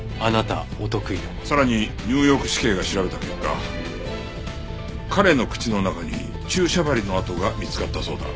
さらにニューヨーク市警が調べた結果彼の口の中に注射針の痕が見つかったそうだ。